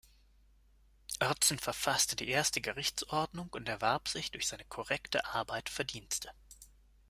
Oertzen verfasste die erste Gerichtsordnung und erwarb sich durch seine korrekte Arbeit Verdienste.